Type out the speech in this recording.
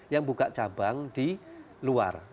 yang buka cabang di luar